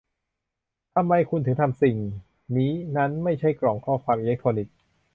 ทำไมคุณถึงทำสิ่งนี้นั่นไม่ใช่กล่องข้อความอิเล็กทรอนิกส์